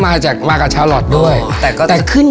มันก็มองได้นะ